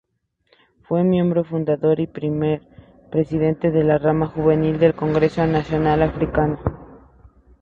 Fue miembro fundador y primer presidente de la rama juvenil del Congreso Nacional Africano.